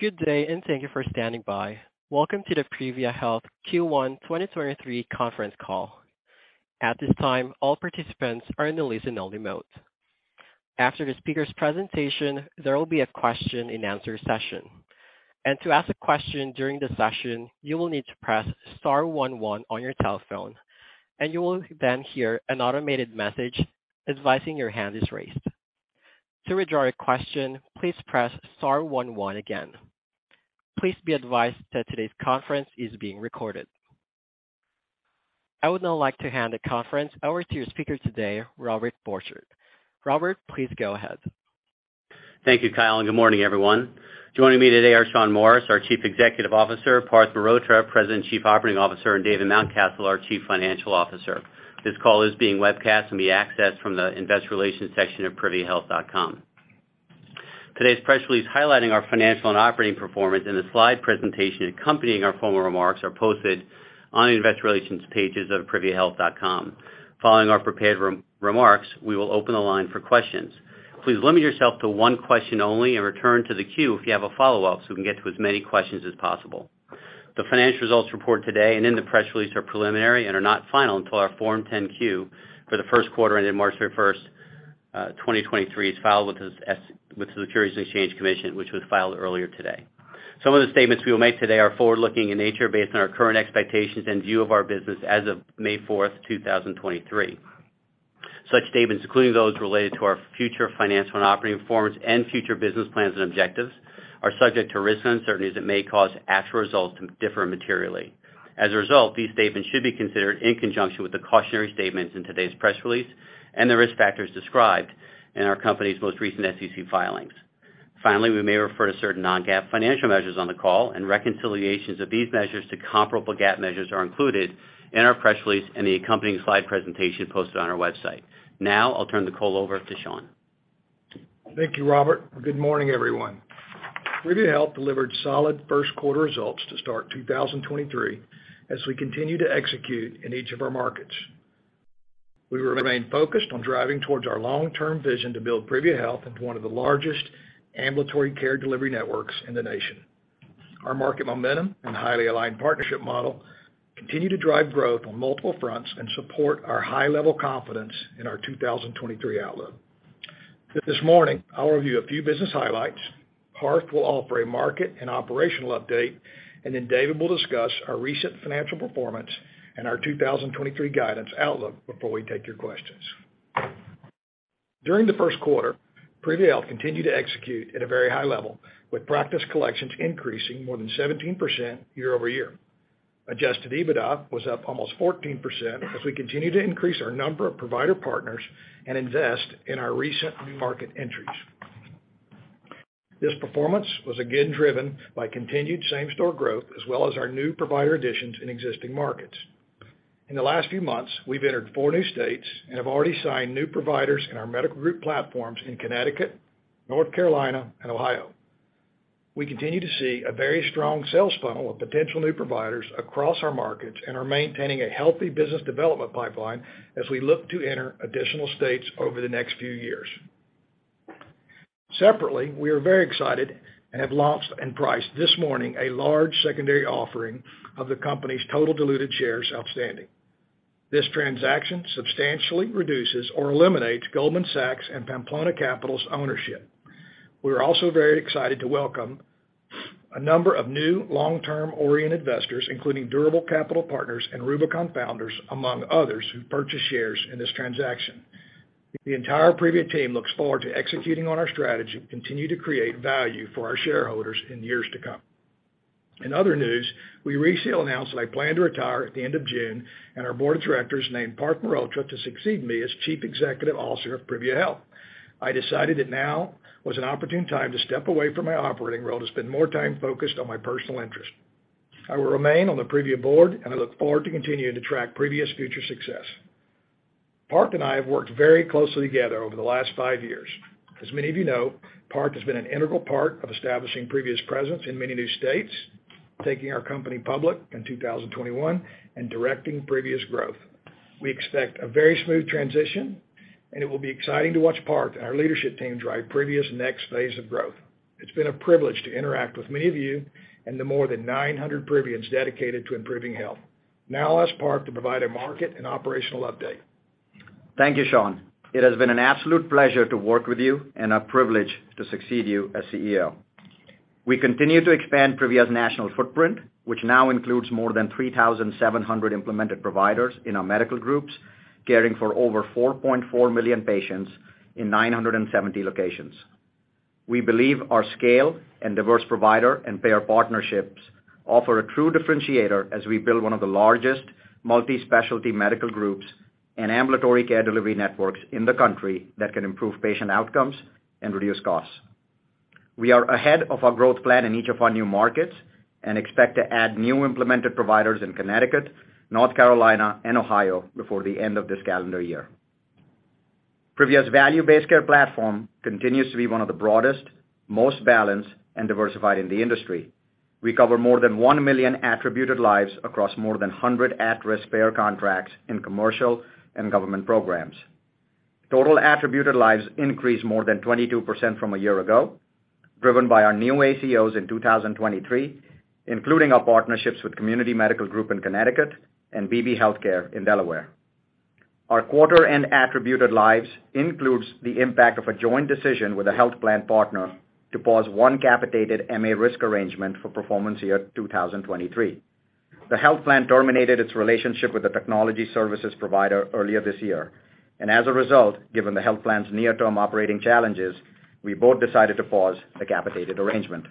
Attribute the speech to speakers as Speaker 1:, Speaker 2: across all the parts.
Speaker 1: Good day. Thank you for standing by. Welcome to the Privia Health Q1 2023 Conference Call. At this time, all participants are in a listen-only mode. After the speaker's presentation, there will be a question-and-answer session. To ask a question during the session, you will need to press * one one on your telephone, and you will then hear an automated message advising your hand is raised. To withdraw your question, please press * one one again. Please be advised that today's conference is being recorded. I would now like to hand the conference over to your speaker today, Robert Borcherding. Robert, please go ahead.
Speaker 2: Thank you, Kyle, and good morning, everyone. Joining me today are Shawn Morris, our Chief Executive Officer, Parth Mehrotra, President, Chief Operating Officer, and David Mountcastle, our Chief Financial Officer. This call is being webcast and may be accessed from the investor relations section of priviahealth.com. Today's press release, highlighting our financial and operating performance and the slide presentation accompanying our formal remarks are posted on the investor relations pages of priviahealth.com. Following our prepared remarks, we will open the line for questions. Please limit yourself to one question only and return to the queue if you have a follow-,up so we can get to as many questions as possible. The financial results reported today and in the press release are preliminary and are not final until our Form 10-Q for the Q1 ended March 31st, 2023, is filed with the Securities and Exchange Commission, which was filed earlier today. Some of the statements we will make today are forward-looking in nature based on our current expectations and view of our business as of May 4th, 2023. Such statements, including those related to our future financial and operating performance and future business plans and objectives, are subject to risks and uncertainties that may cause actual results to differ materially. As a result, these statements should be considered in conjunction with the cautionary statements in today's press release and the risk factors described in our company's most recent SEC filings. Finally, we may refer to certain non-GAAP financial measures on the call and reconciliations of these measures to comparable GAAP measures are included in our press release and the accompanying slide presentation posted on our website. Now, I'll turn the call over to Shawn.
Speaker 3: Thank you, Robert. Good morning, everyone. Privia Health delivered solid Q1 results to start 2023 as we continue to execute in each of our markets. We remain focused on driving towards our long-term vision to build Privia Health into one of the largest ambulatory care delivery networks in the nation. Our market momentum and highly aligned partnership model continue to drive growth on multiple fronts and support our high-level confidence in our 2023 outlook. This morning, I'll review a few business highlights, Parth will offer a market and operational update, David will discuss our recent financial performance and our 2023 guidance outlook before we take your questions. During the Q1, Privia Health continued to execute at a very high-level with practice collections increasing more than 17% year-over-year. Adjusted EBITDA was up almost 14% as we continue to increase our number of provider partners and invest in our recent new market entries. This performance was again driven by continued same-store growth as well as our new provider additions in existing markets. In the last few months, we've entered 4 new states and have already signed new providers in our medical group platforms in Connecticut, North Carolina, and Ohio. We continue to see a very strong sales funnel of potential new providers across our markets and are maintaining a healthy business development pipeline as we look to enter additional states over the next few years. Separately, we are very excited and have launched and priced this morning a large secondary offering of the company's total diluted shares outstanding. This transaction substantially reduces or eliminates Goldman Sachs and Pamplona Capital's ownership. We're also very excited to welcome a number of new long-term oriented investors, including Durable Capital Partners and Rubicon Founders, among others, who purchased shares in this transaction. The entire Privia team looks forward to executing on our strategy to continue to create value for our shareholders in years to come. In other news, we recently announced that I plan to retire at the end of June, and our board of directors named Parth Mehrotra to succeed me as Chief Executive Officer of Privia Health. I decided that now was an opportune time to step away from my operating role to spend more time focused on my personal interest. I will remain on the Privia board, and I look forward to continuing to track Privia's future success. Parth and I have worked very closely together over the last five years. As many of you know, Parth has been an integral part of establishing Privia's presence in many new states, taking our company public in 2021, and directing Privia's growth. We expect a very smooth transition, and it will be exciting to watch Parth and our leadership team drive Privia's next phase of growth. It's been a privilege to interact with many of you and the more than 900 Privians dedicated to improving health. Now I'll ask Parth to provide a market and operational update.
Speaker 4: Thank you, Sean. It has been an absolute pleasure to work with you and a privilege to succeed you as CEO. We continue to expand Privia's national footprint, which now includes more than 3,700 implemented providers in our medical groups, caring for over 4.4 million patients in 970 locations. We believe our scale and diverse provider and payer partnerships offer a true differentiator as we build one of the largest multi-specialty medical groups and ambulatory care delivery networks in the country that can improve patient outcomes and reduce costs. We are ahead of our growth plan in each of our new markets and expect to add new implemented providers in Connecticut, North Carolina, and Ohio before the end of this calendar year. Privia's value-based care platform continues to be one of the broadest, most balanced, and diversified in the industry. We cover more than 1 million attributed lives across more than 100 at-risk payer contracts in commercial and government programs. Total attributed lives increased more than 22% from a year ago, driven by our new ACOs in 2023, including our partnerships with Community Medical Group in Connecticut and Beebe Healthcare in Delaware. Our quarter-end attributed lives includes the impact of a joint decision with a health plan partner to pause one capitated MA risk arrangement for performance year 2023. The health plan terminated its relationship with the technology services provider earlier this year, and as a result, given the health plan's near-term operating challenges, we both decided to pause the capitated arrangement.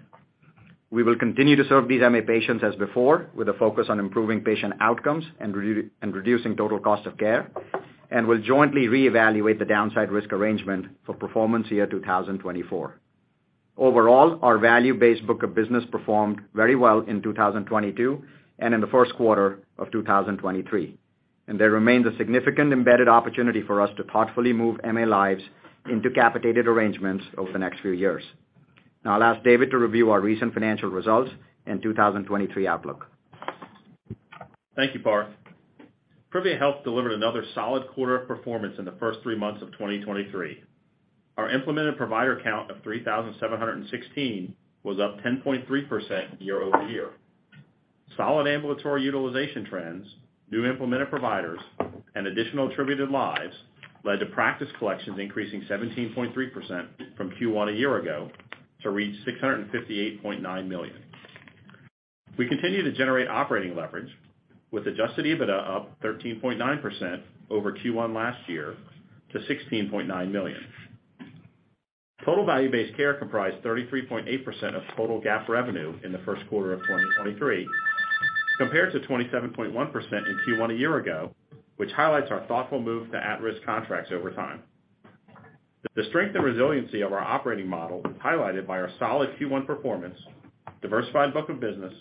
Speaker 4: We will continue to serve these MA patients as before, with a focus on improving patient outcomes and reducing the total cost of care, and we'll jointly reevaluate the downside risk arrangement for performance year 2024. Overall, our value-based book of business performed very well in 2022 and in the Q1 of 2023, and there remains a significant embedded opportunity for us to thoughtfully move MA lives into capitated arrangements over the next few years. Now I'll ask David to review our recent financial results and 2023 outlook.
Speaker 5: Thank you, Parth. Privia Health delivered another solid quarter of performance in the first three months of 2023. Our implemented provider count of 3,716 was up 10.3% year-over-year. Solid ambulatory utilization trends, new implemented providers, and additional attributed lives led to practice collections increasing 17.3% from Q1 a year ago to reach $658.9 million. We continue to generate operating leverage with Adjusted EBITDA up 13.9% over Q1 last year to $16.9 million. Total value-based care comprised 33.8% of total GAAP revenue in the Q1 of 2023, compared to 27.1% in Q1 a year ago, which highlights our thoughtful move to at-risk contracts over time. The strength and resiliency of our operating model is highlighted by our solid Q1 performance, diversified book of business,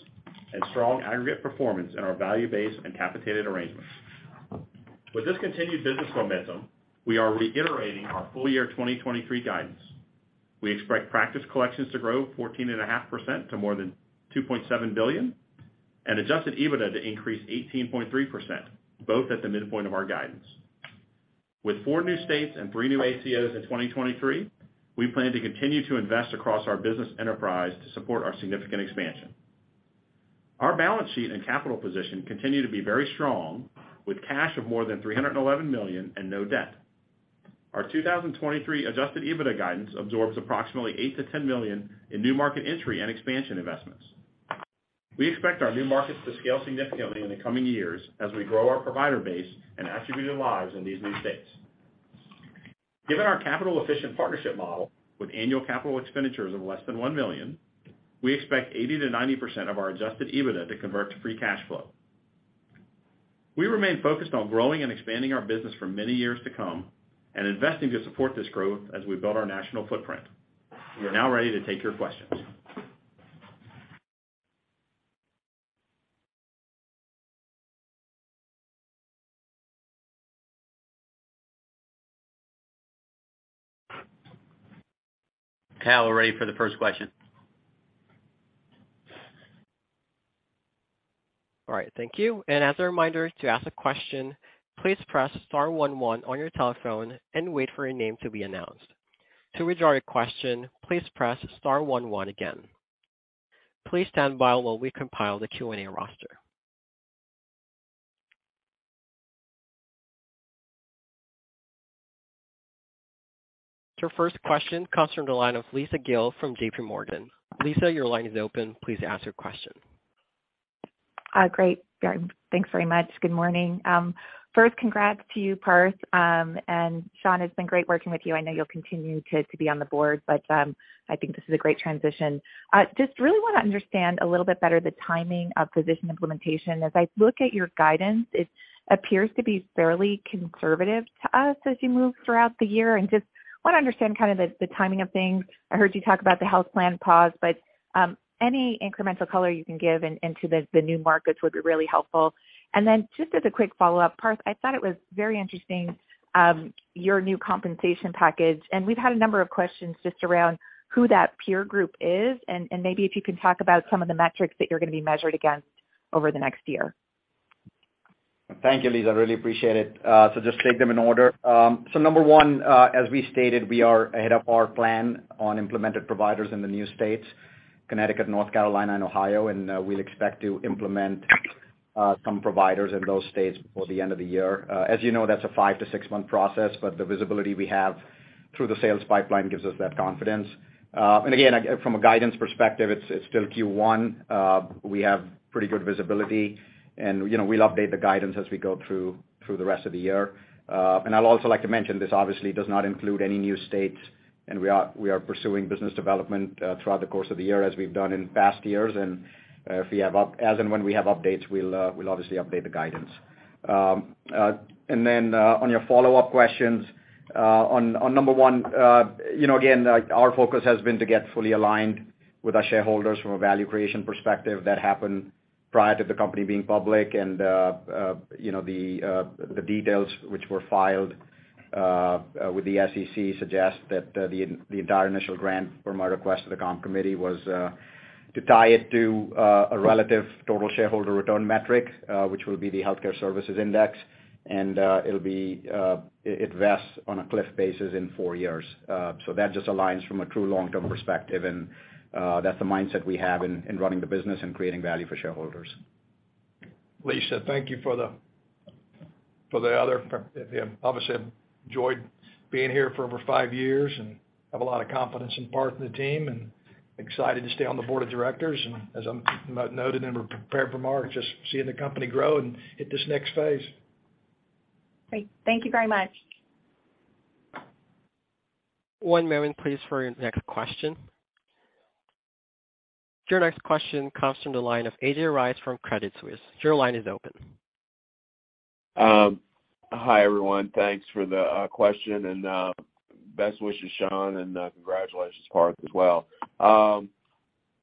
Speaker 5: and strong aggregate performance in our value-based and capitated arrangements. With this continued business momentum, we are reiterating our full-year 2023 guidance. We expect practice collections to grow 14.5% to more than $2.7 billion and Adjusted EBITDA to increase 18.3%, both at the midpoint of our guidance. With 4 new states and 3 new ACOs in 2023, we plan to continue to invest across our business enterprise to support our significant expansion. Our balance sheet and capital position continue to be very strong, with cash of more than $311 million and no debt. Our 2023 Adjusted EBITDA guidance absorbs approximately $8 million-$10 million in new market entry and expansion investments. We expect our new markets to scale significantly in the coming years as we grow our provider base and attributed lives in these new states. Given our capital-efficient partnership model with annual capital expenditures of less than $1 million, we expect 80%-90% of our Adjusted EBITDA to convert to free cash flow. We remain focused on growing and expanding our business for many years to come and investing to support this growth as we build our national footprint. We are now ready to take your questions.
Speaker 2: Kyle, we're ready for the first question.
Speaker 1: All right. Thank you. As a reminder to ask a question, please press * one one on your telephone and wait for your name to be announced. To withdraw your question, please press * one one again. Please stand by while we compile the Q&A roster. Your first question comes from the line of Lisa Gill from JPMorgan. Lisa, your line is open. Please ask your question.
Speaker 6: Great. Thanks very much. Good morning. First, congrats to you, Parth. Sean, it's been great working with you. I know you'll continue to be on the board, but I think this is a great transition. Just really wanna understand a little bit better the timing of physician implementation. As I look at your guidance, it appears to be fairly conservative to us as you move throughout the year, and just wanna understand kind of the timing of things. I heard you talk about the health plan pause, but any incremental color you can give on the new markets would be really helpful. Then just as a quick follow-up, Parth, I thought it was very interesting, your new compensation package, and we've had a number of questions just around who that peer group is and maybe if you can talk about some of the metrics that you're gonna be measured against over the next year?
Speaker 4: Thank you, Lisa Gill. I really appreciate it. Just take them in order. Number one, as we stated, we are ahead of our plan on implemented providers in the new states, Connecticut, North Carolina and Ohio. We'll expect to implement some providers in those states before the end of the year. As you know, that's a five to six-month process, but the visibility we have through the sales pipeline gives us that confidence. Again, from a guidance perspective, it's still Q1. We have pretty good visibility and, you know, we'll update the guidance as we go through the rest of the year. I'd also like to mention this obviously does not include any new states, and we are pursuing business development throughout the course of the year as we've done in past years. If we have as and when we have updates, we'll obviously update the guidance. On your follow-up questions, on number 1, you know, again, our focus has been to get fully aligned with our shareholders from a value creation perspective that happened prior to the company being public and, you know, the details which were filed with the SEC suggest that the entire initial grant for my request to the comp committee was to tie it to a relative total shareholder return metric, which will be the Healthcare Services Index. It vests on a cliff basis in four years. That just aligns from a true long-term perspective and that's the mindset we have in running the business and creating value for shareholders.
Speaker 3: Lisa, thank you for the other. Obviously I've enjoyed being here for over five years and have a lot of confidence in Parth and the team, and excited to stay on the board of directors. As I'm noted and prepared remarks, just seeing the company grow and hit this next phase.
Speaker 6: Great. Thank you very much.
Speaker 1: One moment please for your next question. Your next question comes from the line of A.J. Rice from Credit Suisse. Your line is open.
Speaker 7: Hi, everyone. Thanks for the question and best wishes, Sean, and congratulations, Parth, as well.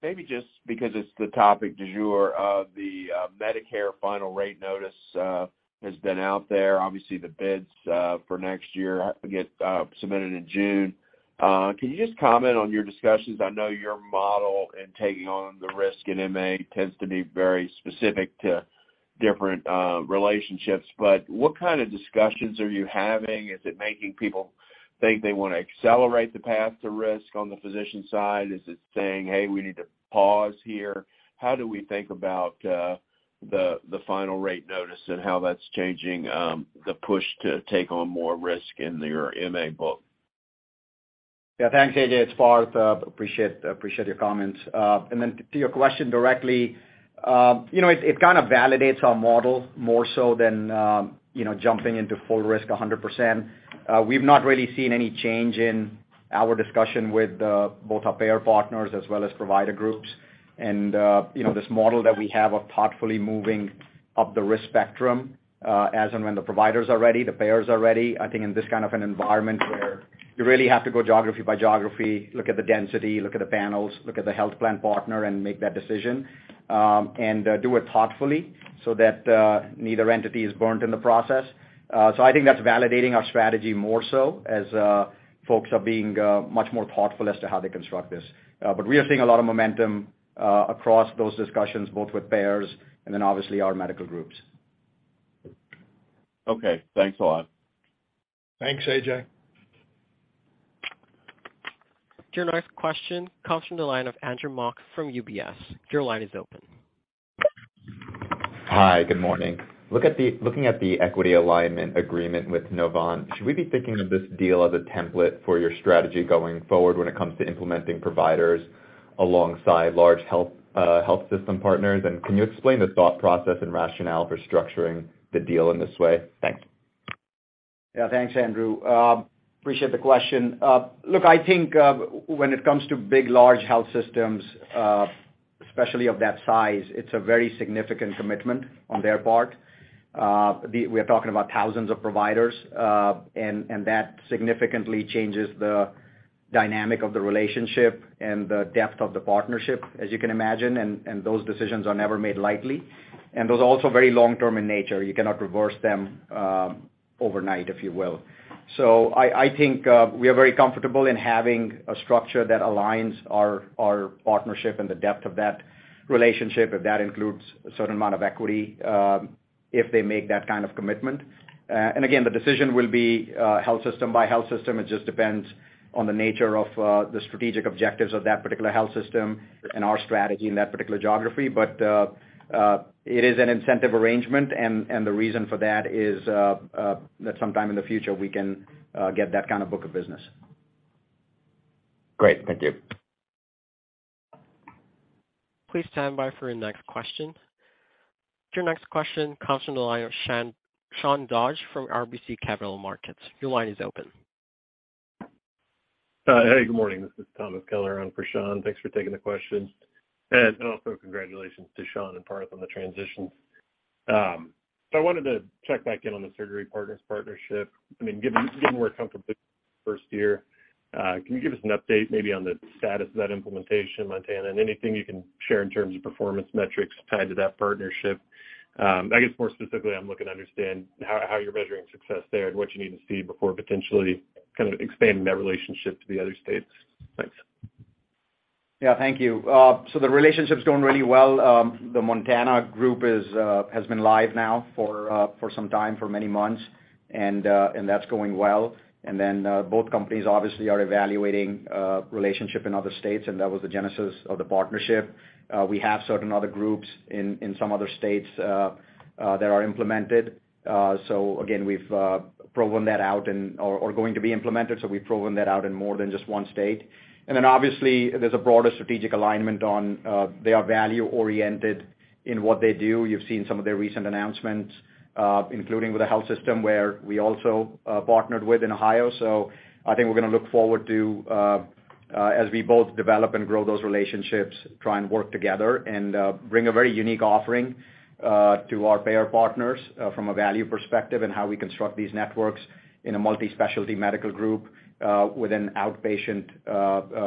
Speaker 7: Maybe just because it's the topic du jour of the Medicare final rate notice has been out there. Obviously, the bids for next year have to get submitted in June. Can you just comment on your discussions? I know your model in taking on the risk in MA tends to be very specific to different relationships. What kind of discussions are you having? Is it making people think they wanna accelerate the path to risk on the physician side? Is it saying, "Hey, we need to pause here"? How do we think about the final rate notice and how that's changing the push to take on more risk in your MA book?
Speaker 4: Yeah. Thanks, A.J. It's Parth. Appreciate your comments. Then to your question directly, you know, it kind of validates our model more so than, you know, jumping into full risk 100%. We've not really seen any change in our discussion with both our payer partners as well as provider groups. You know, this model that we have of thoughtfully moving up the risk spectrum as and when the providers are ready, the payers are ready. I think in this kind of an environment where you really have to go geography by geography, look at the density, look at the panels, look at the health plan partner, and make that decision, and do it thoughtfully so that neither entity is burnt in the process. I think that's validating our strategy more so as folks are being much more thoughtful as to how they construct this. We are seeing a lot of momentum across those discussions, both with payers and then obviously our medical groups.
Speaker 7: Okay. Thanks a lot.
Speaker 3: Thanks, AJ.
Speaker 1: Your next question comes from the line of Andrew Mok from UBS. Your line is open.
Speaker 8: Hi. Good morning. Looking at the equity alignment agreement with Novant, should we be thinking of this deal as a template for your strategy going forward when it comes to implementing providers alongside large health system partners? Can you explain the thought process and rationale for structuring the deal in this way? Thanks.
Speaker 4: Yeah. Thanks, Andrew. Appreciate the question. Look, I think when it comes to big, large health systems, especially of that size, it's a very significant commitment on their part. We're talking about thousands of providers, and that significantly changes the dynamic of the relationship and the depth of the partnership, as you can imagine, and those decisions are never made lightly. Those are also very long-term in nature. You cannot reverse them overnight, if you will. I think we are very comfortable in having a structure that aligns our partnership and the depth of that relationship, if that includes a certain amount of equity, if they make that kind of commitment. Again, the decision will be health system by health system. It just depends on the nature of the strategic objectives of that particular health system and our strategy in that particular geography. It is an incentive arrangement and the reason for that is that sometime in the future we can get that kind of book of business.
Speaker 8: Great. Thank you.
Speaker 1: Please stand by for your next question. Your next question comes from the line of Sean Dodge from RBC Capital Markets. Your line is open.
Speaker 9: Hey, good morning. This is Thomas Kelliher on for Sean. Thanks for taking the question. Also congratulations to Sean and Parth on the transition. I wanted to check back in on the Surgery Partners partnership. I mean, given we're comfortably first year, can you give us an update maybe on the status of that implementation in Montana and anything you can share in terms of performance metrics tied to that partnership? I guess more specifically, I'm looking to understand how you're measuring success there and what you need to see before potentially kind of expanding that relationship to the other states. Thanks.
Speaker 4: Yeah. Thank you. The relationship's going really well. The Montana group is has been live now for for some time, for many months, and that's going well. Both companies obviously are evaluating relationship in other states, and that was the genesis of the partnership. We have certain other groups in some other states that are implemented. Again, we've proven that out and are going to be implemented, so we've proven that out in more than just one state. Obviously, there's a broader strategic alignment on they are value-oriented in what they do. You've seen some of their recent announcements, including with the health system where we also partnered with in Ohio. I think we're gonna look forward to, as we both develop and grow those relationships, try and work together and bring a very unique offering to our payer partners, from a value perspective and how we construct these networks in a multi-specialty medical group, with an outpatient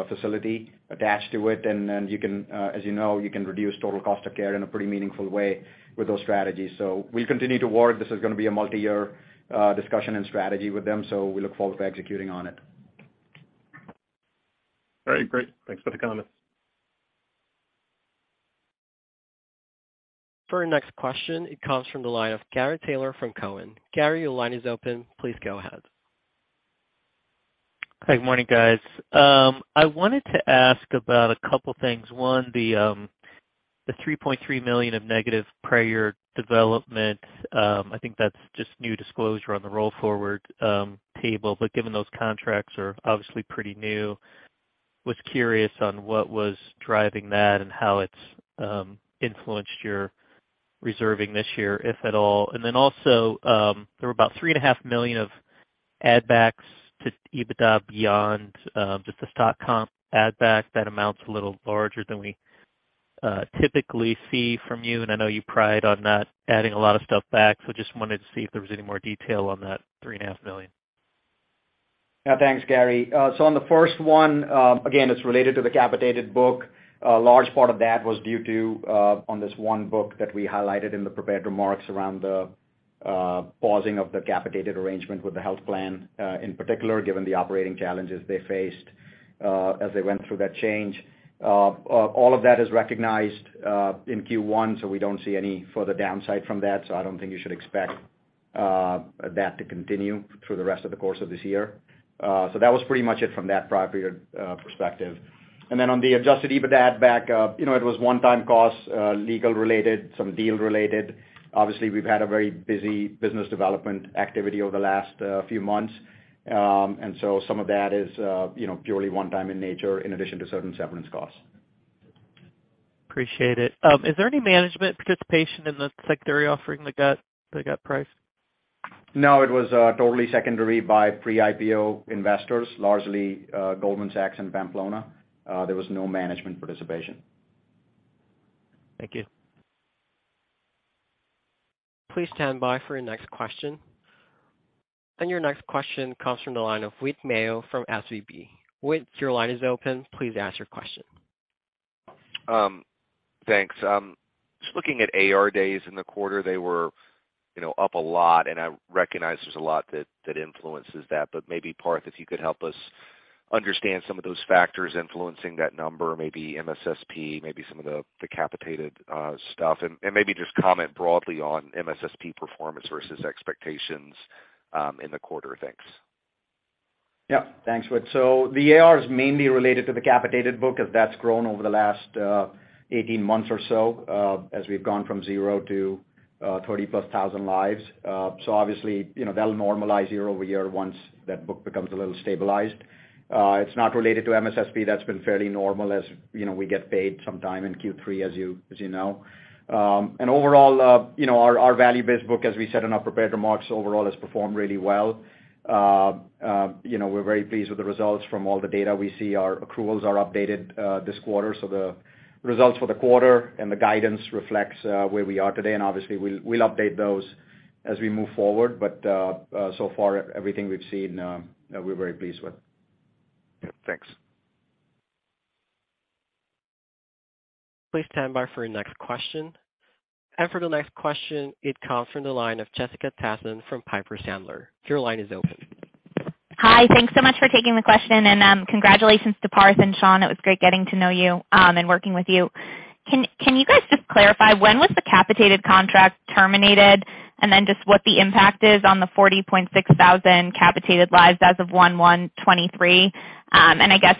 Speaker 4: facility attached to it. Then you can, as you know, you can reduce the total cost of care in a pretty meaningful way with those strategies. We continue to work. This is gonna be a multi-year discussion and strategy with them. We look forward to executing on it.
Speaker 9: All right, great. Thanks for the comment.
Speaker 1: For our next question, it comes from the line of Gary Taylor from Cowen. Gary, your line is open. Please go ahead.
Speaker 10: Good morning, guys. I wanted to ask about a couple things. One, the $3.3 million of negative prior development, I think that's just new disclosure on the roll forward, table, but given those contracts are obviously pretty new, was curious on what was driving that and how it's, influenced your reserving this year, if at all. Also, there were about $3.5 million of add backs to EBITDA beyond, just the stock comp add back. That amount's a little larger than we, typically see from you, and I know you pride on not adding a lot of stuff back. Just wanted to see if there was any more detail on that $3.5 million.
Speaker 4: Yeah, thanks, Gary. On the first one, again, it's related to the capitated book. A large part of that was due to on this one book that we highlighted in the prepared remarks around the pausing of the capitated arrangement with the health plan, in particular, given the operating challenges they faced as they went through that change. All of that is recognized in Q1, we don't see any further downside from that. I don't think you should expect that to continue through the rest of the course of this year. That was pretty much it from that prior period perspective. On the Adjusted EBITDA add back, you know, it was one-time costs, legal-related, some deal-related. Obviously, we've had a very busy business development activity over the last, few months. Some of that is, you know, purely one-time in nature in addition to certain severance costs.
Speaker 10: Appreciate it. Is there any management participation in the secondary offering that got priced?
Speaker 4: No, it was, totally secondary by pre-IPO investors, largely, Goldman Sachs and Pamplona. There was no management participation.
Speaker 10: Thank you.
Speaker 1: Please stand by for your next question. Your next question comes from the line of Whit Mayo from SVB. Whit, your line is open. Please ask your question.
Speaker 11: Thanks. Just looking at AR days in the quarter, they were, you know, up a lot, and I recognize there's a lot that influences that. Maybe, Parth, if you could help us understand some of those factors influencing that number, maybe MSSP, maybe some of the capitated stuff. Maybe just comment broadly on MSSP performance versus expectations in the quarter. Thanks.
Speaker 4: Thanks, Whit. The AR is mainly related to the capitated book, as that's grown over the last 18 months or so, as we've gone from 0 to 30,000+ lives. Obviously, you know, that'll normalize year-over-year once that book becomes a little stabilize. It's not related to MSSP. That's been fairly normal as, you know, we get paid sometime in Q3, as you know. Overall, you know, our value-based book, as we said in our prepared remarks, overall has performed really well. You know, we're very pleased with the results from all the data we see. Our accruals are updated this quarter. The results for the quarter and the guidance reflects where we are today, obviously, we'll update those as we move forward. So far, everything we've seen, we're very pleased with.
Speaker 11: Yeah. Thanks.
Speaker 1: Please stand by for your next question. For the next question, it comes from the line of Jessica Tassan from Piper Sandler. Your line is open.
Speaker 12: Thanks so much for taking the question. Congratulations to Parth and Shawn. It was great getting to know you and working with you. Can you guys just clarify, when was the capitated contract terminated? Just what the impact is on the 40.6 thousand capitated lives as of 1/1/2023. I guess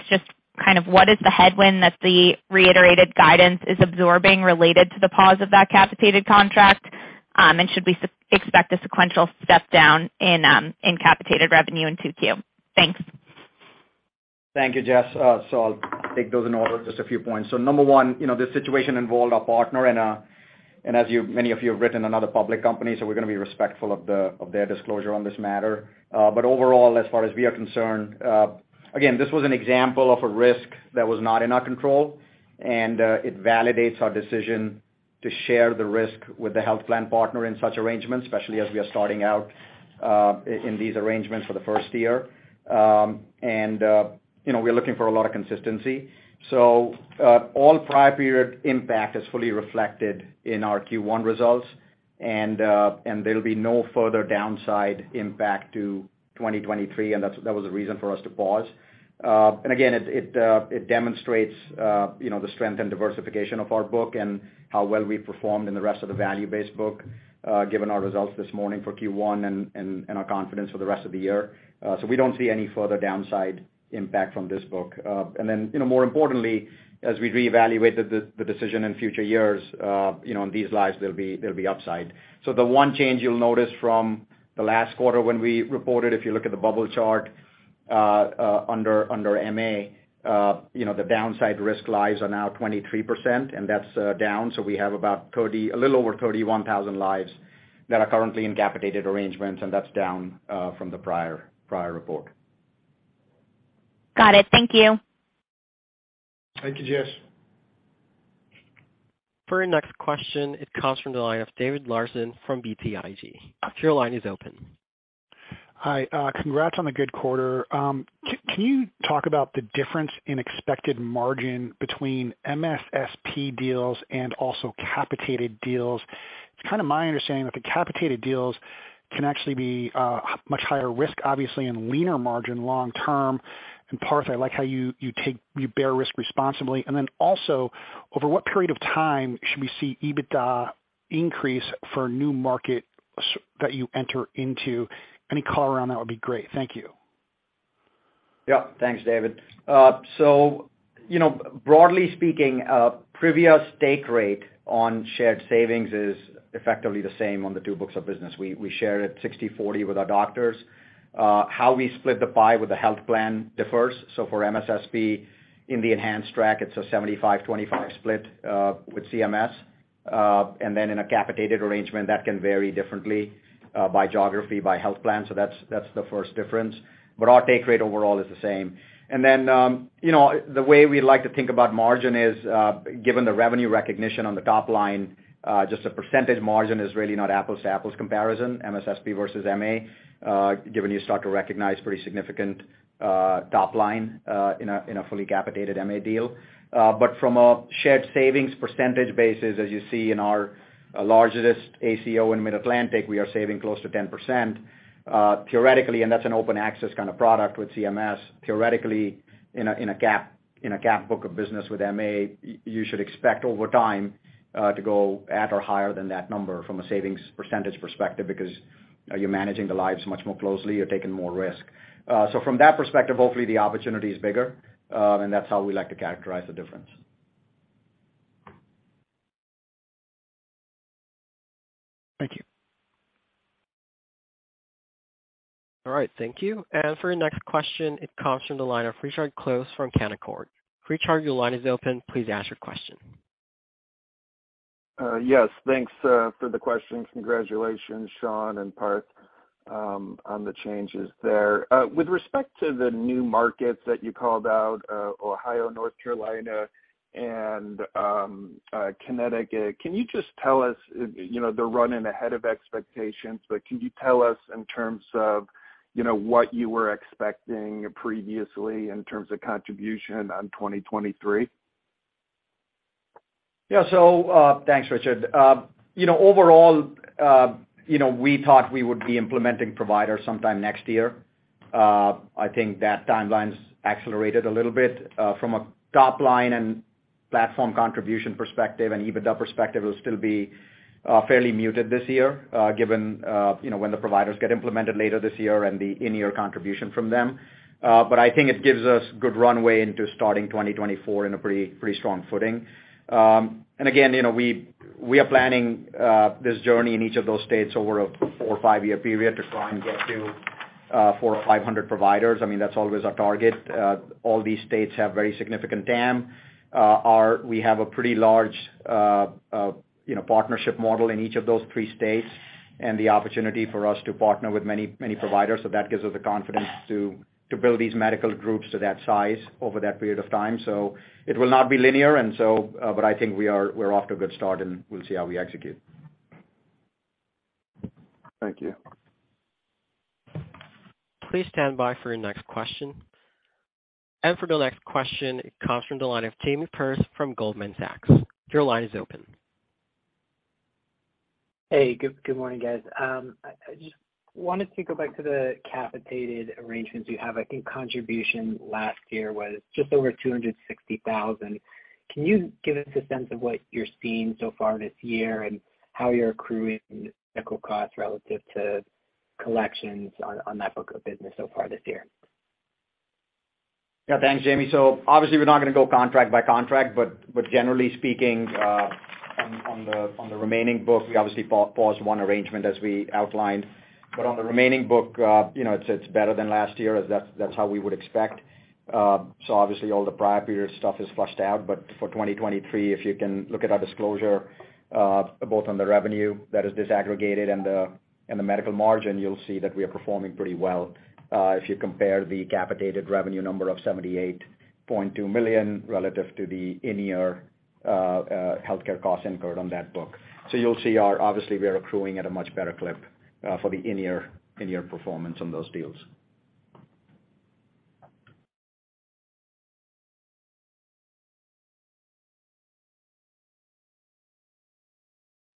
Speaker 12: what is the headwind that the reiterated guidance is absorbing related to the pause of that capitated contract? Should we expect a sequential step down in capitated revenue in 2Q? Thanks.
Speaker 4: Thank you, Jess. I'll take those in order, just a few points. Number one, you know, this situation involved our partner and as many of you have written, another public company, so we're gonna be respectful of their disclosure on this matter. Overall, as far as we are concerned, again, this was an example of a risk that was not in our control, and it validates our decision to share the risk with the health plan partner in such arrangements, especially as we are starting out in these arrangements for the first year. You know, we're looking for a lot of consistency. All prior period impact is fully reflected in our Q1 results, and there'll be no further downside impact to 2023, and that's, that was the reason for us to pause. Again, it demonstrates, you know, the strength and diversification of our book and how well we've performed in the rest of the value-based book, given our results this morning for Q1 and our confidence for the rest of the year. We don't see any further downside impact from this book. Then, you know, more importantly, as we reevaluate the decision in future years, you know, in these lives, there'll be upside. The one change you'll notice from the last quarter when we reported, if you look at the bubble chart, under MA, you know, the downside risk lies are now 23%, and that's down. We have about a little over 31,000 lives that are currently in capitated arrangements, and that's down from the prior report.
Speaker 12: Got it. Thank you.
Speaker 4: Thank you, Jess.
Speaker 1: For your next question, it comes from the line of David Larsen from BTIG. Your line is open.
Speaker 13: Hi. Congrats on the good quarter. Can you talk about the difference in expected margin between MSSP deals and also capitated deals? It's kinda my understanding that the capitated deals can actually be much higher risk, obviously, and leaner margin long term. Parth, I like how you bear risk responsibly. Also, over what period of time should we see EBITDA increase for a new market that you enter into? Any color around that would be great. Thank you.
Speaker 4: Thanks, David. You know, broadly speaking, Privia's take rate on shared savings is effectively the same on the two books of business. We share it 60/40 with our doctors. How we split the pie with the health plan differs. For MSSP, in the enhanced track, it's a 75/25 split with CMS. In a capitated arrangement, that can vary differently by geography, by health plan, so that's the first difference. Our take rate overall is the same. You know, the way we like to think about margin is, given the revenue recognition on the top line, just a percentage margin is really not an apples-to-apples comparison, MSSP versus MA, given you start to recognize pretty significant top line in a fully capitated MA deal. From a shared savings percentage basis, as you see in our largest ACO in the Mid-Atlantic, we are saving close to 10%. Theoretically, and that's an open access product with CMS, theoretically, in a cap book of business with MA, you should expect over time to go at or higher than that number from a savings percentage perspective because you're managing the lives much more closely, you're taking more risk. From that perspective, hopefully the opportunity is bigger, and that's how we like to characterize the difference.
Speaker 13: Thank you.
Speaker 1: All right. Thank you. For your next question, it comes from the line of Richard Close from Canaccord. Richard, your line is open. Please ask your question.
Speaker 14: Yes. Thanks for the question. Congratulations, Shawn and Parth, on the changes there. With respect to the new markets that you called out, Ohio, North Carolina, and Connecticut, can you just tell us, you know, they're running ahead of expectations, but can you tell us in terms of, you know, what you were expecting previously in terms of contribution on 2023?
Speaker 4: Thanks, Richard. You know, overall, you know, we thought we would be implementing providers sometime next year. I think that timeline's accelerated a little bit, from a top line and platform contribution perspective and EBITDA perspective, it'll still be fairly muted this year, given, you know, when the providers get implemented later this year and the in-year contribution from them. I think it gives us good runway into starting 2024 in a pretty strong footing. Again, you know, we are planning this journey in each of those states over a 4 or 5-year period to try and get to 400 or 500 providers. I mean, that's always our target. All these states have very significant TAM. We have a pretty large, you know, partnership model in each of those three states and the opportunity for us to partner with many providers. That gives us the confidence to build these medical groups to that size over that period of time. It will not be linear. But I think we're off to a good start, and we'll see how we execute.
Speaker 14: Thank you.
Speaker 1: Please stand by for your next question. For the next question, it comes from the line of Jamie Perse from Goldman Sachs. Your line is open.
Speaker 15: Hey, good morning, guys. I just wanted to go back to the capitated arrangements you have. I think contribution last year was just over $260,000. Can you give us a sense of what you're seeing so far this year and how you're accruing medical costs relative to collections on that book of business so far this year?
Speaker 4: Yeah. Thanks, Jamie. Obviously we're not gonna go contract by contract, but generally speaking, on the remaining book, we obviously paused one arrangement as we outlined. On the remaining book, you know, it's better than last year as that's how we would expect. Obviously all the prior period stuff is flushed out. For 2023, if you can look at our disclosure, both on the revenue that is disaggregated and the medical margin, you'll see that we are performing pretty well, if you compare the capitated revenue number of $78.2 million relative to the in-year healthcare costs incurred on that book. You'll see obviously, we are accruing at a much better clip for the in-year performance on those deals.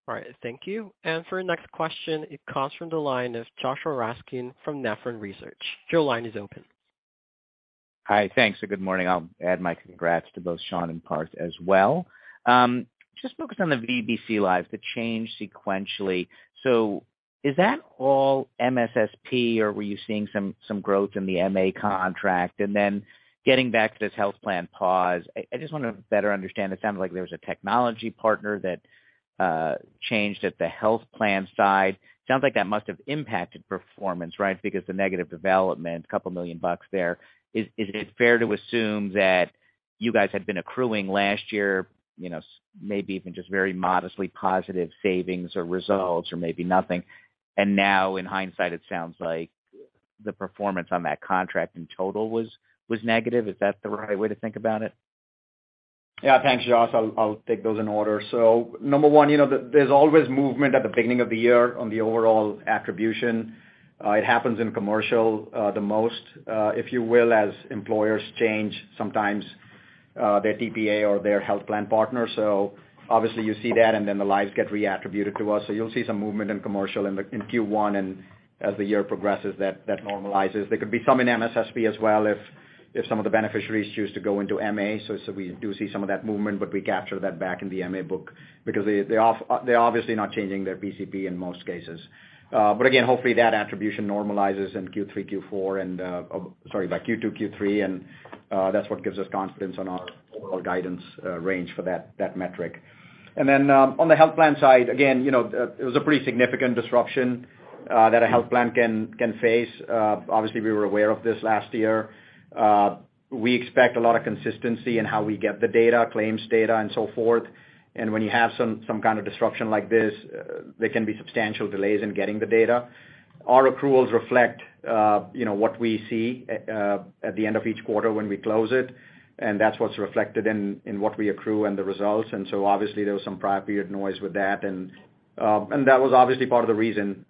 Speaker 1: All right. Thank you. For our next question, it comes from the line of Joshua Raskin from Nephron Research. Your line is open.
Speaker 16: Hi. Thanks, and good morning. I'll add my congrats to both Shawn and Parth as well. Just focused on the VBC lives, the change sequentially. Is that all MSSP or were you seeing some growth in the MA contract? Then getting back to this health plan pause, I just wanna better understand. It sounded like there was a technology partner that changed at the health plan side. Sounds like that must have impacted performance, right? Because the negative development, $2 million there. Is it fair to assume that you guys had been accruing last year, you know, maybe even just very modestly positive savings or results or maybe nothing. And now in hindsight, it sounds like the performance on that contract in total was negative. Is that the right way to think about it?
Speaker 4: Yeah. Thanks, Josh. I'll take those in order. Number 1, you know, there's always movement at the beginning of the year on the overall attribution. It happens in commercial, the most, if you will, as employers change sometimes, their TPA or their health plan partner. Obviously you see that, and then the lives get reattributed to us. You'll see some movement in commercial in Q1, and as the year progresses that normalizes. There could be some in MSSP as well if some of the beneficiaries choose to go into MA. We do see some of that movement, but we capture that back in the MA book because they're obviously not changing their PCP in most cases. Again, hopefully that attribution normalizes in Q3, Q4, and... Sorry, by Q2, Q3, that's what gives us confidence on our overall guidance range for that metric. On the health plan side, again, you know, it was a pretty significant disruption that a health plan can face. Obviously we were aware of this last year. We expect a lot of consistency in how we get the data, claims data and so forth. When you have some kind of disruption like this, there can be substantial delays in getting the data. Our accruals reflect, you know, what we see at the end of each quarter when we close it, and that's what's reflected in what we accrue and the results. Obviously there was some prior period noise with that and that was obviously part of the reason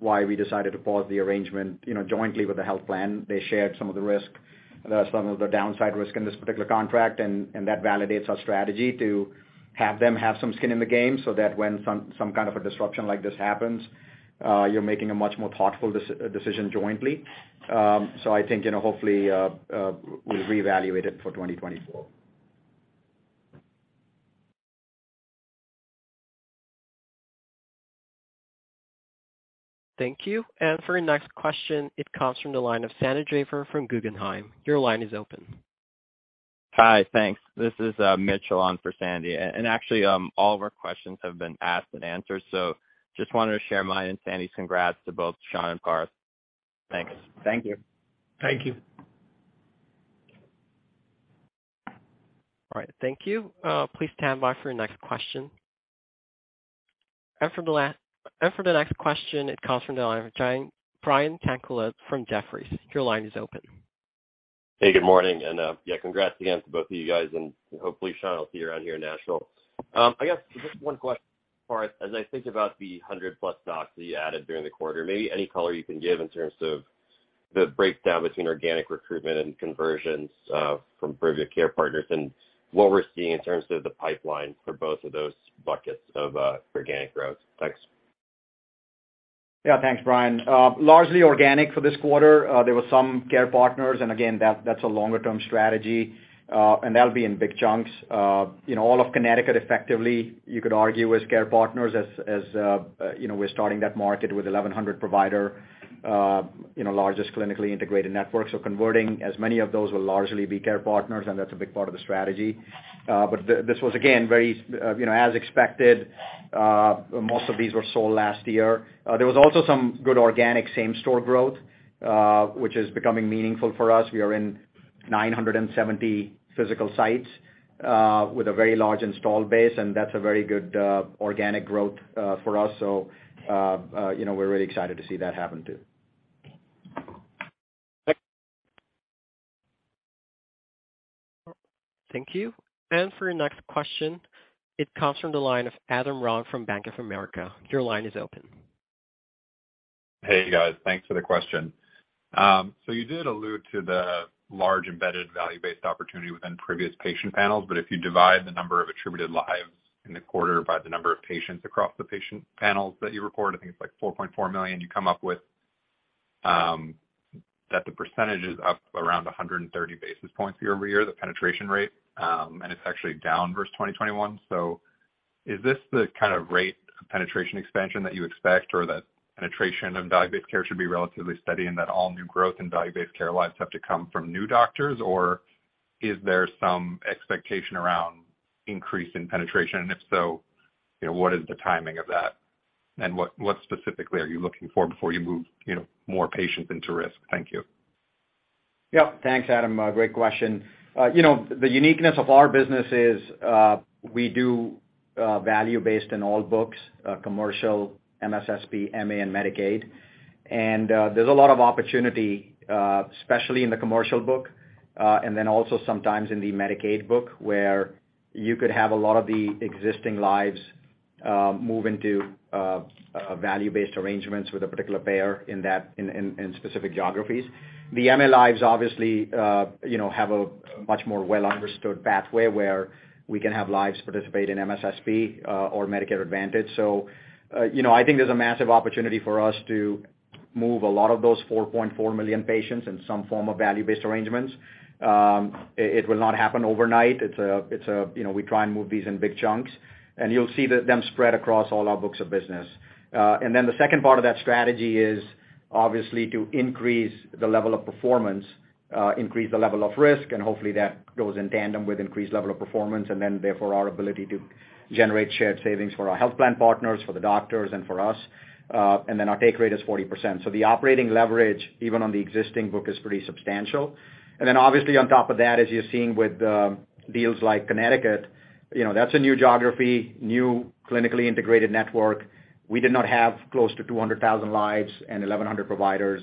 Speaker 4: why we decided to pause the arrangement, you know, jointly with the health plan. They shared some of the risk, some of the downside risk in this particular contract, and that validates our strategy to have them have some skin in the game so that when some kind of a disruption like this happens, you're making a much more thoughtful decision jointly. I think, you know, hopefully, we reevaluate it for 2024.
Speaker 1: Thank you. For your next question, it comes from the line of Sandy Draper from Guggenheim. Your line is open.
Speaker 17: Hi. Thanks. This is Mitch Elon for Sandy. Actually, all of our questions have been asked and answered, so just wanted to share mine and Sandy's congrats to both Shawn and Parth. Thanks.
Speaker 4: Thank you.
Speaker 17: Thank you.
Speaker 1: All right. Thank you. Please stand by for your next question. For the next question, it comes from the line of Brian Tanquilut from Jefferies. Your line is open.
Speaker 18: Hey, good morning. Yeah, congrats again to both of you guys, and hopefully Shawn will see you around here in Nashville. I guess just 1 question, Parth. As I think about the 100+ docs that you added during the quarter, maybe any color you can give in terms of the breakdown between organic recruitment and conversions from Privia Care Partners and what we're seeing in terms of the pipeline for both of those buckets of organic growth. Thanks.
Speaker 4: Thanks, Brian. largely organic for this quarter. there were some Privia Care Partners, and again, that's a longer-term strategy, and that'll be in big chunks. you know, all of Connecticut, effectively, you could argue is Privia Care Partners as, you know, we're starting that market with 1,100 provider, you know, largest clinically integrated network. Converting as many of those will largely be Privia Care Partners, and that's a big part of the strategy. this was, again, very, you know, as expected, most of these were sold last year. there was also some good organic same-store growth, which is becoming meaningful for us. We are in 970 physical sites, with a very large installed base, and that's a very good organic growth for us. You know, we're really excited to see that happen too.
Speaker 18: Thanks.
Speaker 1: Thank you. For your next question, it comes from the line of Adam Ron from Bank of America. Your line is open.
Speaker 19: Hey, guys. Thanks for the question. You did allude to the large embedded value-based opportunity within previous patient panels, but if you divide the number of attributed lives in the quarter by the number of patients across the patient panels that you report, I think it's like 4.4 million, you come up with, that the percentage is up around 130 basis points year-over-year, the penetration rate, and it's actually down versus 2021. Is this the kind of rate of penetration expansion that you expect or that penetration of value-based care should be relatively steady and that all new growth in value-based care lives have to come from new doctors? Or is there some expectation around increase in penetration? If so, you know, what is the timing of that? What specifically are you looking for before you move, you know, more patients into risk? Thank you.
Speaker 4: Yep. Thanks, Adam. Great question. You know, the uniqueness of our business is, we do value-based in all books, commercial, MSSP, MA, and Medicaid. There's a lot of opportunity, especially in the commercial book, and then also sometimes in the Medicaid book, where you could have a lot of the existing lives move into value-based arrangements with a particular payer in that, in specific geographies. The MA lives obviously, you know, have a much more well-understood pathway where we can have lives participate in MSSP or Medicare Advantage. You know, I think there's a massive opportunity for us to move a lot of those 4.4 million patients in some form of value-based arrangements. It will not happen overnight. It's a, you know, we try and move these in big chunks, and you'll see them spread across all our books of business. Then the second part of that strategy is obviously to increase the level of performance, increase the level of risk, and hopefully that goes in tandem with increased level of performance, and then therefore our ability to generate shared savings for our health plan partners, for the doctors, and for us. Then our take rate is 40%. The operating leverage, even on the existing book, is pretty substantial. Then obviously on top of that, as you're seeing with, deals like Connecticut, you know, that's a new geography, new clinically integrated network. We did not have close to 200,000 lives and 1,100 providers,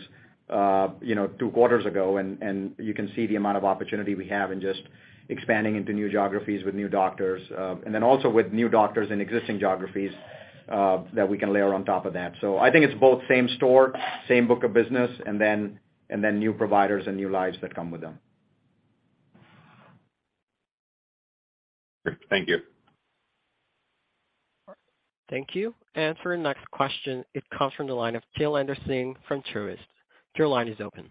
Speaker 4: you know, 2 quarters ago, and you can see the amount of opportunity we have in just expanding into new geographies with new doctors. Also with new doctors in existing geographies that we can layer on top of that. I think it's both same store, same book of business, and then new providers and new lives that come with them.
Speaker 19: Great. Thank you.
Speaker 1: Thank you. For the next question, it comes from the line of Jailendra Singh from Truist. Your line is open.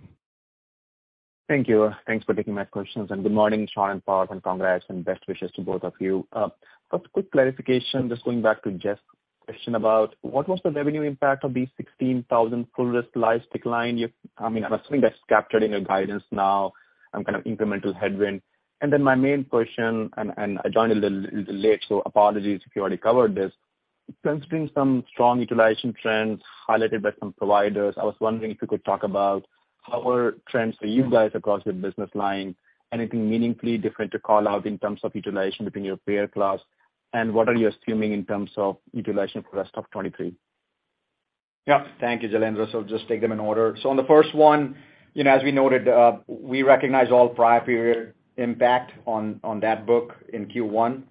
Speaker 20: Thank you. Thanks for taking my questions, and good morning, Shawn Morris and Parth Mehrotra, and congrats and best wishes to both of you. First, quick clarification, just going back to Jeff Garro's question about what was the revenue impact of these 16,000 full risk lives decline, I mean, I'm assuming that's captured in your guidance now and kind of incremental headwind. Then my main question, and I joined a little late, so apologies if you already covered this. Considering some strong utilization trends highlighted by some providers, I was wondering if you could talk about how are trends for you guys across your business line, anything meaningfully different to call out in terms of utilization between your peer class? What are you assuming in terms of utilization for rest of 2023?
Speaker 4: Yeah. Thank you, Jailendra. Just take them in order. On the first one, you know, as we noted, we recognize all prior period impact on that book in Q1.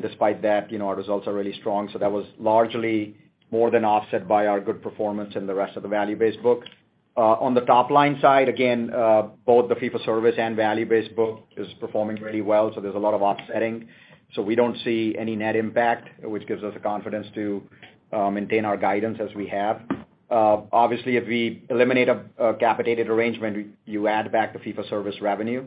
Speaker 4: Despite that, you know, our results are really strong, so that was largely more than offset by our good performance in the rest of the value-based book. On the top line side, again, both the fee-for-service and value-based book is performing really well, so there's a lot of offsetting. We don't see any net impact, which gives us the confidence to maintain our guidance as we have. Obviously, if we eliminate a capitated arrangement, you add back the fee-for-service revenue,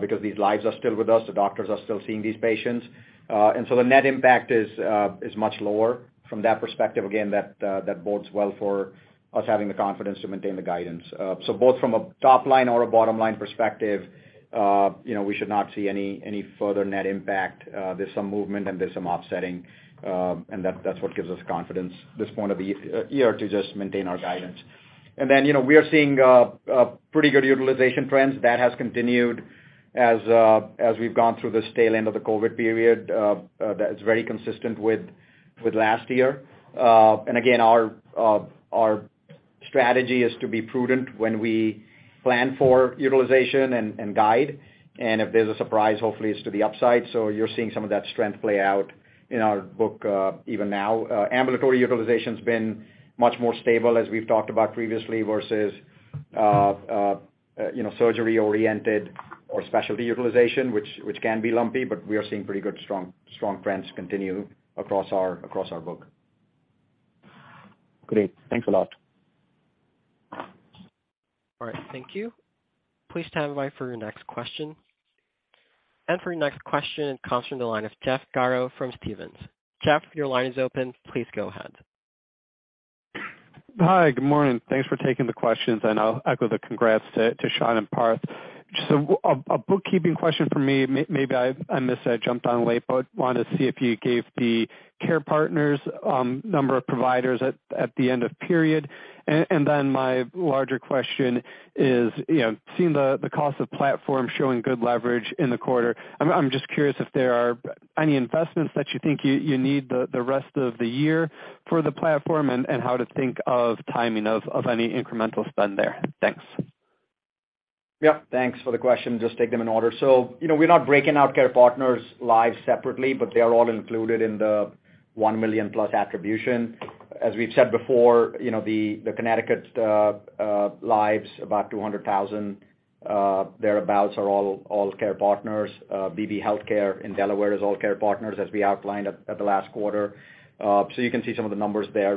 Speaker 4: because these lives are still with us, the doctors are still seeing these patients. The net impact is much lower from that perspective. Again, that bodes well for us having the confidence to maintain the guidance. Both from a top-line or a bottom-line perspective, you know, we should not see any further net impact. There's some movement and there's some offsetting, and that's what gives us confidence this point of the year to just maintain our guidance. You know, we are seeing pretty good utilization trends. That has continued as we've gone through the stale end of the COVID period. That is very consistent with last year. Again, our strategy is to be prudent when we plan for utilization and guide. If there's a surprise, hopefully it's to the upside. You're seeing some of that strength play out in our book, even now. Ambulatory utilization's been much more stable as we've talked about previously, versus, you know, surgery-oriented or specialty utilization, which can be lumpy, but we are seeing pretty good strong trends continue across our book.
Speaker 20: Great. Thanks a lot.
Speaker 1: All right. Thank you. Please stand by for your next question. For your next question, it comes from the line of Jeff Garro from Stephens. Jeff, your line is open. Please go ahead.
Speaker 21: Hi. Good morning. Thanks for taking the questions. I'll echo the congrats to Shawn and Parth. Just a bookkeeping question from me. Maybe I missed it, I jumped on late, but wanted to see if you gave the Care Partners number of providers at the end of the period. My larger question is, you know, seeing the cost of the platform showing good leverage in the quarter, I'm just curious if there are any investments that you think you need the rest of the year for the platform, and how to think of timing of any incremental spend there. Thanks.
Speaker 4: Yeah. Thanks for the question. Just take them in order. you know, we're not breaking out Privia Care Partners lives separately, but they are all included in the 1 million-plus attribution. As we've said before, you know, the Connecticut's lives, about 200,000 thereabouts, are all Privia Care Partners. Beebe Healthcare in Delaware is all Privia Care Partners, as we outlined at the last quarter. you can see some of the numbers there.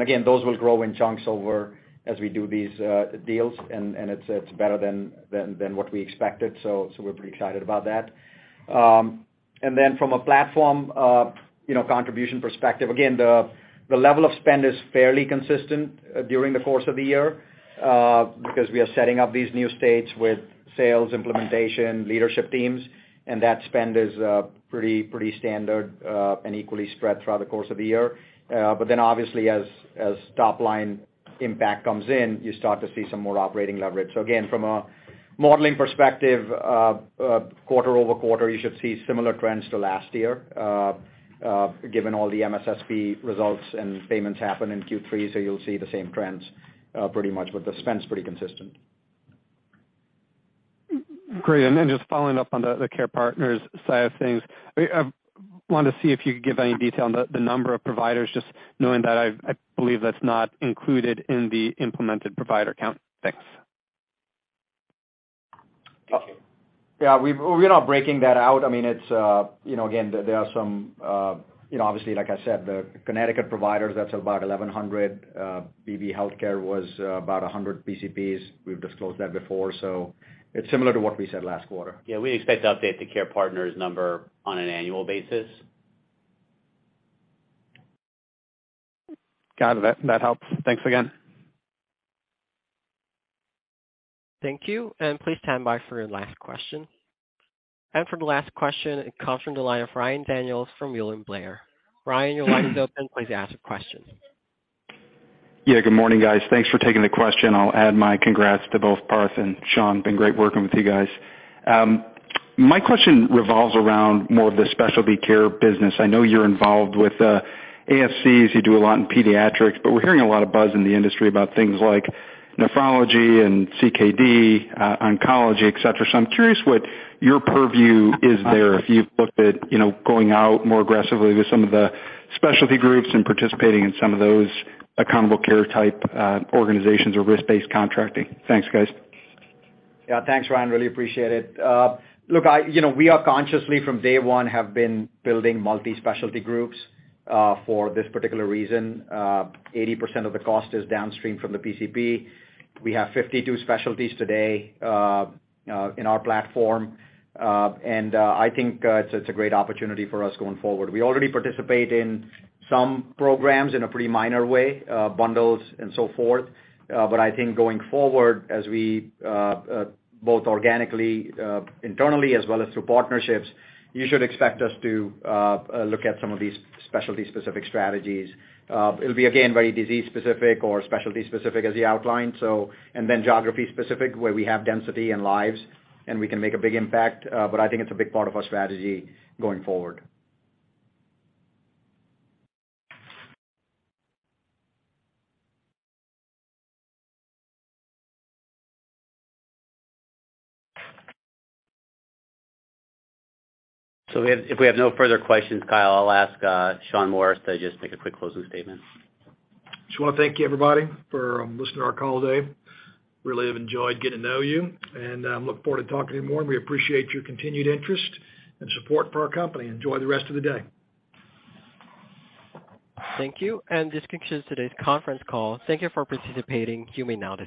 Speaker 4: Again, those will grow in chunks over as we do these deals, and it's better than what we expected, so we're pretty excited about that. From a platform, you know, contribution perspective, again, the level of spend is fairly consistent during the course of the year because we are setting up these new states with sales implementation, leadership teams, and that spend is pretty standard and equally spread throughout the course of the year. Obviously as top line impact comes in, you start to see some more operating leverage. Again, from a modeling perspective, quarter-over-quarter, you should see similar trends to last year given all the MSSP results and payments happen in Q3, so you'll see the same trends pretty much, but the spend's pretty consistent.
Speaker 21: Great. Then just following up on the Care Partners side of things, I wanted to see if you could give any detail on the number of providers, just knowing that I believe that's not included in the implemented provider count. Thanks.
Speaker 4: Yeah. We're not breaking that out. I mean, it's, you know, again, there are some, you know, obviously, like I said, the Connecticut providers, that's about 1,100. Beebe Healthcare was about 100 PCPs. We've disclosed that before. It's similar to what we said last quarter.
Speaker 2: Yeah, we expect to update the Care Partners number on an annual basis.
Speaker 21: Got it. That helps. Thanks again.
Speaker 1: Thank you. Please stand by for your last question. For the last question, it comes from the line of Ryan Daniels from William Blair. Ryan, your line is open. Please ask your question.
Speaker 22: Yeah, good morning, guys. Thanks for taking the question. I'll add my congrats to both Parth and Shawn. Been great working with you guys. My question revolves around more of the specialty care business. I know you're involved with ASCs. You do a lot in pediatrics, but we're hearing a lot of buzz in the industry about things like nephrology and CKD, oncology, et cetera. I'm curious what your purview is there, if you've looked at, you know, going out more aggressively with some of the specialty groups and participating in some of those accountable care type organizations or risk-based contracting. Thanks, guys.
Speaker 4: Yeah. Thanks, Ryan. Really appreciate it. look, you know, we are consciously from day one have been building multi-specialty groups for this particular reason. 80% of the cost is downstream from the PCP. We have 52 specialties today in our platform. I think it's a great opportunity for us going forward. We already participate in some programs in a pretty minor way, bundles and so forth. I think going forward, as we both organically internally as well as through partnerships, you should expect us to look at some of these specialty-specific strategies. It'll be again, very disease specific or specialty specific as you outlined, so, and then geography specific, where we have density and lives, and we can make a big impact. I think it's a big part of our strategy going forward.
Speaker 2: If we have no further questions, Kyle, I'll ask Shawn Morris to just make a quick closing statement.
Speaker 3: Just wanna thank you, everybody, for listening to our call today. Really have enjoyed getting to know you, and I look forward to talking to you more, and we appreciate your continued interest and support for our company. Enjoy the rest of the day.
Speaker 1: Thank you. This concludes today's Conference Call. Thank you for participating. You may now disconnect.